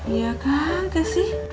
iya kak gak sih